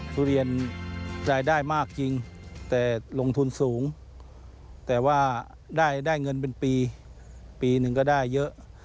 ทุเรียนรายได้มากจริงแต่ลงทุนสูงแต่ว่าได้เงินเป็นปีปีหนึ่งก็ได้เยอะ